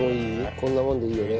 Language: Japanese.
こんなもんでいいよね？